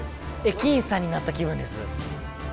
駅員さんになった気分です。